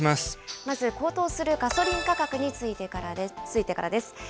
まず、高騰するガソリン価格についてからです。